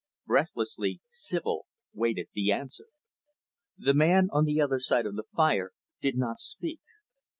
Breathlessly, Sibyl waited the answer. The man on the other side of the fire did not speak.